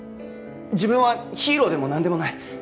自分はヒーローでもなんでもない。